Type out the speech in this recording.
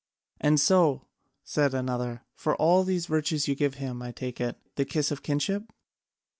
"And so," said another, "for all these virtues you give him, I take it, the kiss of kinship?"